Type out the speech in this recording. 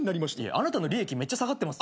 あなたの利益めっちゃ下がってます。